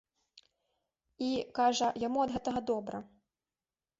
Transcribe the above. І, кажа, яму ад гэтага добра.